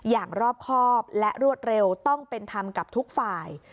อย่างรอบครอบและรวดเร็วต้องเป็นธรรมกับทุกฝ่าย